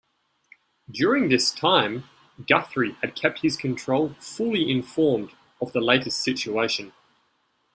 During this time, Guthrie had kept his control fully informed of the latest situation.